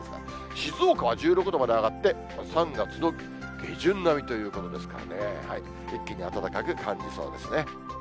静岡は１６度まで上がって、３月の下旬並みということですからね、一気に暖かく感じそうですね。